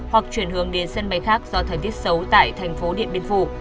hoặc chuyển hướng đến sân bay khác do thời tiết xấu tại tp điện biên phủ